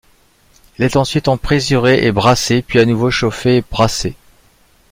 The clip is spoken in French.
Il est ensuite emprésuré et brassé, puis à nouveau chauffé et brassé.